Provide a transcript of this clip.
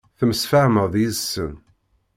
Temsefhameḍ yid-sen.